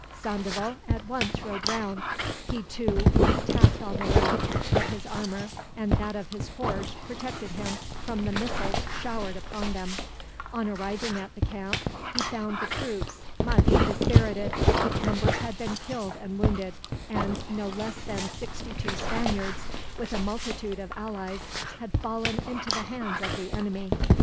Sandoval at once rode round. He, too, was attacked on the road; but his armor, and that of his horse protected him from the missiles showered upon them. On arriving at the camp, he found the troops much dispirited. Numbers had been killed and wounded, and no less than sixty two Spaniards, with a multitude of allies, had fallen into the hands of the enemy.